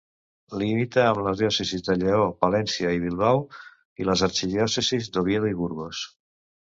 Limita amb les diòcesis de Lleó, Palència i Bilbao i les arxidiòcesis d'Oviedo i Burgos.